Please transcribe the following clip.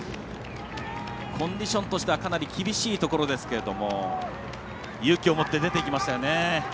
コンディションとしてはかなり厳しいところですが勇気を持って出ていきました。